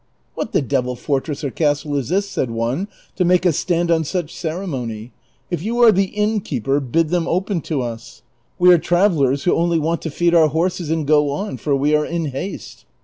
'' What the devil fortress or castle is this," said one, " to make us stand on such ceremony ? If you are the innkeeper bid them open to us ; we are travellers who only want to feed our horses and go on, for we are in haste."